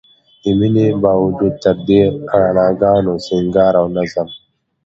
د مينې باوجود تر دې رڼاګانو، سينګار او نظم